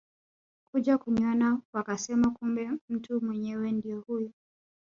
kuja kuniona wakasema kumbe mtu mwenyewe ndio huyu